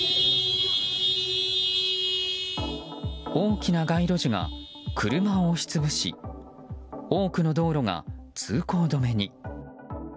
大きな街路樹が車を押し潰し多くの道路が通行止めに。